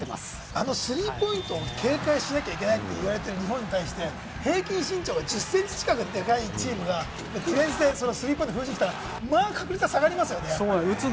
あのスリーポイントを警戒しなきゃいけないと言われている日本に対して、平均身長１０ｃｍ近くデカいチームがディフェンスでスリーポイントを封じてきたら確率下がりますよね。